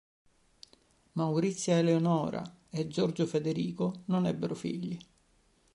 Maurizia Eleonora e Giorgio Federico non ebbero figli.